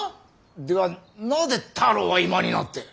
ではなぜ太郎は今になって。